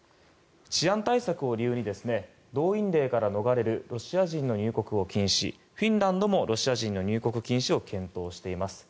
治安対策を理由に動員令から逃れるロシア人の入国を禁止フィンランドもロシア人の入国禁止を検討しています。